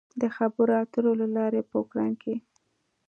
د خبرو اترو له لارې په اوکراین کې